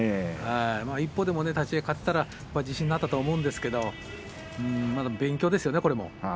一歩でも立ち合い勝っていれば自信になっていたと思うんですがまた勉強ですね。